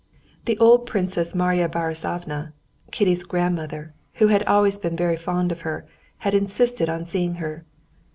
The old Princess Marya Borissovna, Kitty's godmother, who had always been very fond of her, had insisted on seeing her.